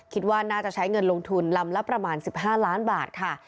คิดว่าน่าจะใช้เงินลงทุนลำละประมาณ๑๕ล้านบาทค่ะ